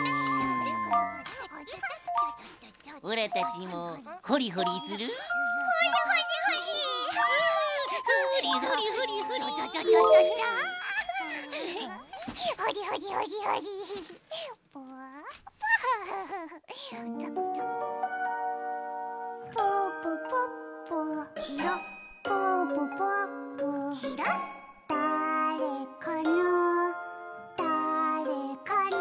「だあれかなだあれかな」